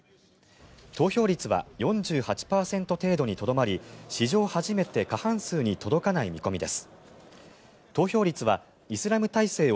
投票率は４８％程度にとどまり史上初めて過半数に届かない見込みです。